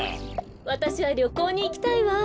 わたしはりょこうにいきたいわ。